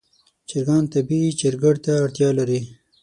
چرګان طبیعي چرګړ ته اړتیا لري.